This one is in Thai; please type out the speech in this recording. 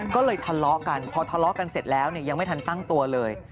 ก็เลยทะเลาะกันพอทะเลาะกันเสร็จแล้วยังไม่ทันตั้งตัวเลย